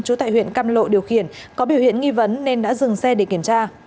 trú tại huyện cam lộ điều khiển có biểu hiện nghi vấn nên đã dừng xe để kiểm tra